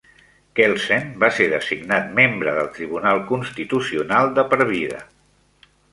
Kelsen va ser designat membre del Tribunal Constitucional de per vida.